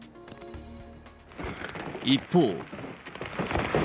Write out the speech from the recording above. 一方。